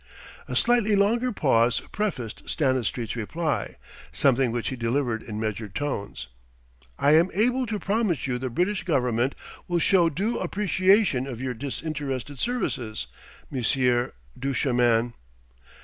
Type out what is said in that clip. A slightly longer pause prefaced Stanistreet's reply, something which he delivered in measured tones: "I am able to promise you the British Government will show due appreciation of your disinterested services, Monsieur Duchemin."